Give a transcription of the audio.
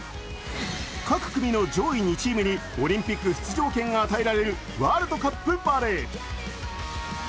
各組の上位２チームにオリンピック出場権が与えられるワールドカップバレー。